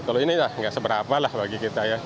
kalau ini nggak seberapa lah bagi kita ya